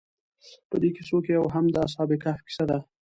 په دې کیسو کې یو هم د اصحاب کهف کیسه ده.